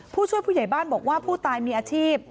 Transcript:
ผู้ช่วยผู้ใหญ่บ้านบอกว่าผู้ตายมีอาชีพ